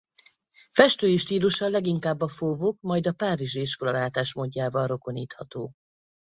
Festői stílusa leginkább a fauve-ok majd a Párizsi iskola látásmódjával rokonítható.